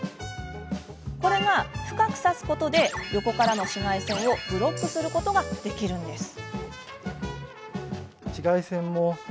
これが深く差すことで横からの紫外線をブロックすることができるのです。